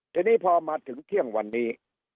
ทีนี้พอมาถึงเที่ยงวันนี้